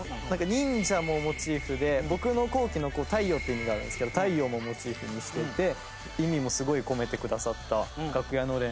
忍者もモチーフで僕の「皇輝」の太陽って意味があるんですけど太陽もモチーフにしていて意味もすごい込めてくださった楽屋暖簾を作ってくださって。